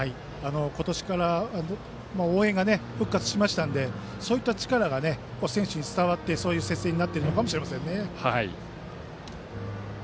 今年から応援が復活しましたのでそういった力が選手に伝わってそういう接戦になっているのかもしれません。